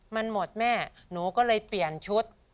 มันหมดแม่หนูก็เลยเปลี่ยนชุด